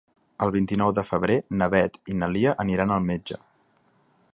El vint-i-nou de febrer na Beth i na Lia aniran al metge.